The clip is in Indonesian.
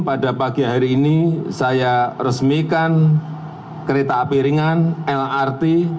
pada pagi hari ini saya resmikan kereta api ringan lrt